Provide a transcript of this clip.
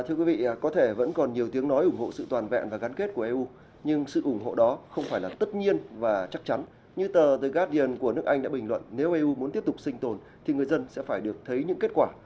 thưa quý vị có thể vẫn còn nhiều tiếng nói ủng hộ sự toàn vẹn và gắn kết của eu nhưng sự ủng hộ đó không phải là tất nhiên và chắc chắn như tờ thegasian của nước anh đã bình luận nếu eu muốn tiếp tục sinh tồn thì người dân sẽ phải được thấy những kết quả